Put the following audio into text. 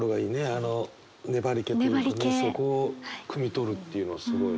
あの粘りけというかそこをくみ取るっていうのはすごいね。